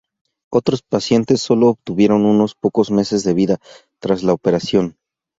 Otros pacientes solo obtuvieron unos pocos meses de vida tras la operación.